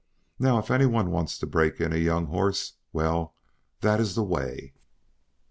Now if any one wants to break in a young horse well, that is the way.